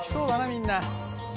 みんな。